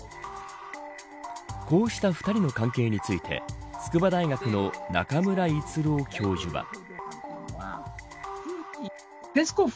こうした２人の関係について筑波大学の中村逸郎教授は。